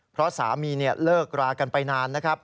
เพราะสามีเลิกรากันไปนานนะครับ